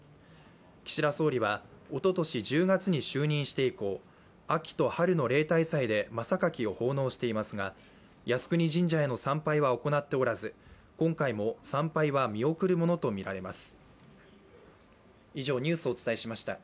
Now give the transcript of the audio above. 岸田総理はおととし１０月に就任して以降、秋と春の例大祭でまさかきを奉納していますが、靖国神社への参拝は行っておらず今回も参拝は見送るものとみられます。